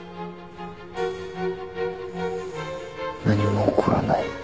何も起こらない。